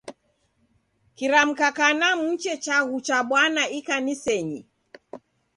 Kiramka kana muche chaghu cha Bwana ikanisenyi.